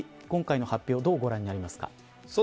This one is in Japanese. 今回の発表どうご覧になりますか。